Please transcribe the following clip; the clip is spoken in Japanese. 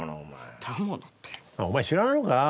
お前知らないのか？